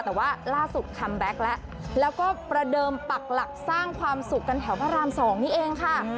แต่ว่าล่าสุดคัมแบ็คแล้วแล้วก็ประเดิมปักหลักสร้างความสุขกันแถวพระราม๒นี่เองค่ะ